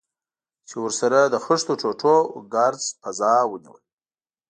چې ورسره د خښتو ټوټو او ګرد فضا ونیول.